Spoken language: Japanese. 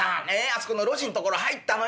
そこの路地ん所入ったのよ。